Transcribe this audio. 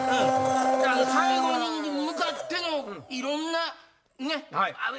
最後に向かってのいろんなねっ？